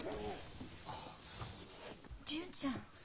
純ちゃん。